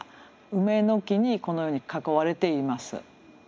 梅の木にこのように囲われています。